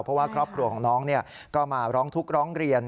เพราะว่าครอบครัวของน้องก็มาร้องทุกข์ร้องเรียน